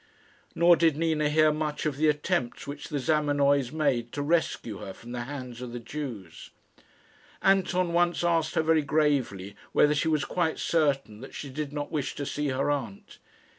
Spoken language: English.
Nor did Nina hear much of the attempts which the Zamenoys made to rescue her from the hands of the Jews. Anton once asked her very gravely whether she was quite certain that she did not wish to see her aunt.